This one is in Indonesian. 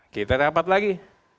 kita rapat lagi